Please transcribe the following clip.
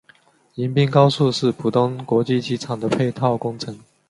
迎宾高速是浦东国际机场的配套工程。